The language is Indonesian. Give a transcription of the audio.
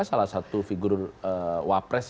salah satu figur wapres